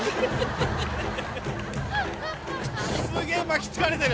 すげえ巻きつかれてる。